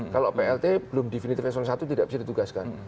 kalau plt belum difiniti s satu tidak bisa ditugaskan